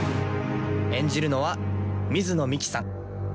演じるのは水野美紀さん。